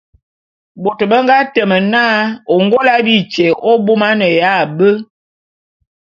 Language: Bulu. Bôt be nga teme na Ôngôla bityé abômaneya be.